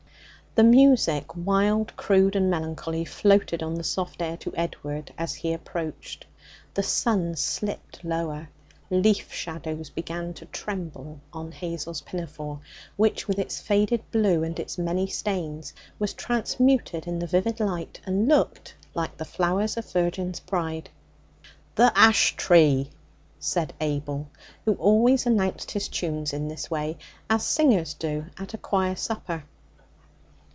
The music, wild, crude and melancholy, floated on the soft air to Edward as he approached. The sun slipped lower; leaf shadows began to tremble on Hazel's pinafore, which, with its faded blue and its many stains, was transmuted in the vivid light, and looked like the flowers of virgin's pride. '"The Ash Tree"!' said Abel, who always announced his tunes in this way, as singers do at a choir supper.